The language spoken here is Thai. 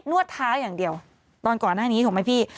วดเท้าอย่างเดียวตอนก่อนหน้านี้ถูกไหมพี่